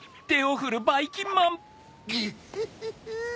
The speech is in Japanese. グフフフ。